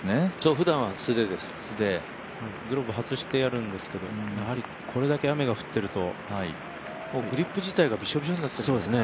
ふだんは素手です、グローブ外してやるんですけどやはりこれだけ雨が降ってるとグリップ自体がぐしょぐしょになってるのかな。